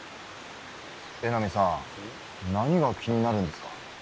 江波さん何が気になるんですか？